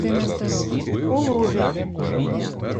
— У Луги.